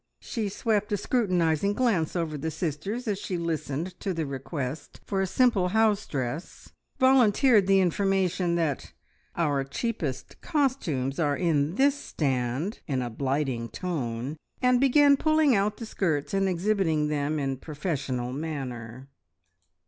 She swept a scrutinising glance over the sisters as she listened to the request for a simple house dress, volunteered the information that, "Our cheapest costumes are in this stand!" in a blighting tone, and began pulling out the skirts and exhibiting them in professional manner.